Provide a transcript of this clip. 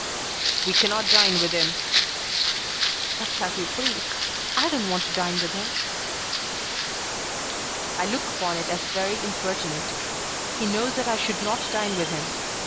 "We cannot dine with him." "That's as you please. I don't want to dine with him." "I look upon it as very impertinent. He knows that I should not dine with him.